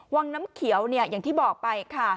วังน้ำเขียวอย่างที่บอกไปค่ะ